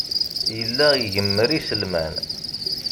Yella igemmer iselman.